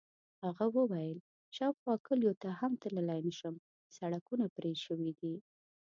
هغه وویل: شاوخوا کلیو ته هم تللی نه شم، سړکونه پرې شوي دي.